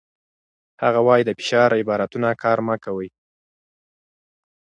هغه وايي، د فشار عبارتونه کار مه کوئ.